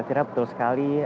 ya betul sekali